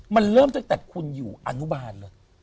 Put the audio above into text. โปรดติดตามต่อไป